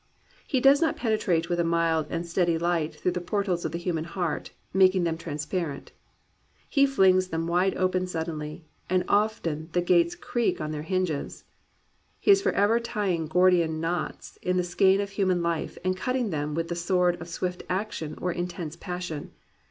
He does not penetrate with a mild and steady Hght through the portals of the human heart, making them transparent. He flings them wide open suddenly, and often the gates creak on their hinges. He is forever tying Gordian knots in the skein of human life and cutting them with the sword of swift action or intense passion.